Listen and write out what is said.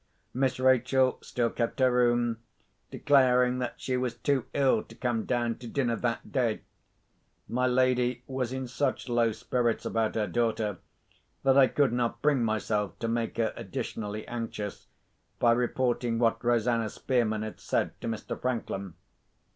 Miss Rachel still kept her room, declaring that she was too ill to come down to dinner that day. My lady was in such low spirits about her daughter, that I could not bring myself to make her additionally anxious, by reporting what Rosanna Spearman had said to Mr. Franklin.